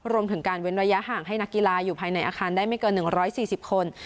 รวมถึงการเว้นระยะห่างให้นักกีฬาอยู่ภายในอาคารได้ไม่เกิน๑๔๐คน